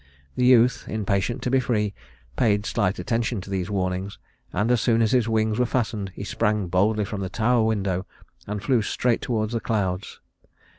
The youth, impatient to be free, paid slight attention to these warnings; and as soon as his wings were fastened, he sprang boldly from the tower window and flew straight toward the clouds.